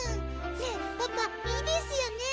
ねえパパいいですよね？